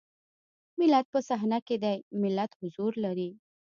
ملت په صحنه کې دی ملت حضور لري.